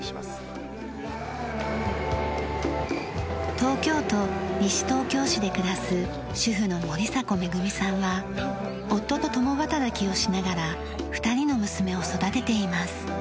東京都西東京市で暮らす主婦の森迫めぐみさんは夫と共働きをしながら２人の娘を育てています。